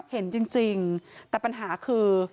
เห็นจริงแต่ปัญหาคือ